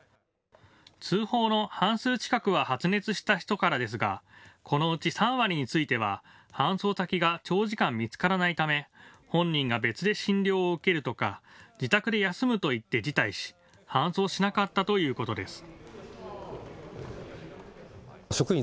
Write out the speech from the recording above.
通報の半数近くは発熱した人からですが、このうち３割については搬送先が長時間見つからないため本人が別で診療を受けるとか自宅で休むと言って辞退し搬送しなかったということです。